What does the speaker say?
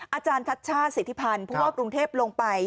อาจารย์ทัชชาติสิทธิพันธ์ผู้ว่ากรุงเทพลงไป